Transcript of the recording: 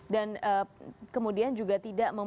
dan kemudian juga tidak